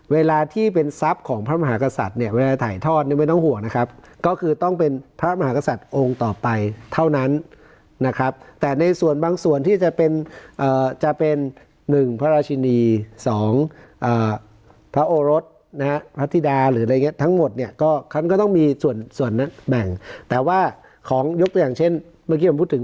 เวลาที่เป็นทรัพย์ของพระมหากษัตริย์เนี่ยเวลาถ่ายทอดเนี่ยไม่ต้องห่วงนะครับก็คือต้องเป็นพระมหากษัตริย์องค์ต่อไปเท่านั้นนะครับแต่ในส่วนบางส่วนที่จะเป็นจะเป็น๑พระราชินี๒พระโอรสนะฮะพระธิดาหรืออะไรอย่างนี้ทั้งหมดเนี่ยก็เขาก็ต้องมีส่วนแบ่งแต่ว่าของยกตัวอย่างเช่นเมื่อกี้ผมพูดถึง